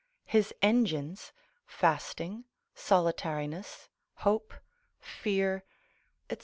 his engines, fasting, solitariness, hope, fear, &c.